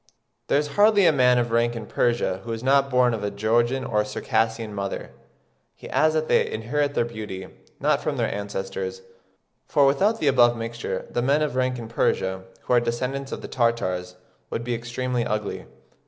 There is hardly a man of rank in Persia who is not born of a Georgian or Circassian mother." He adds that they inherit their beauty, "not from their ancestors, for without the above mixture, the men of rank in Persia, who are descendants of the Tartars, would be extremely ugly."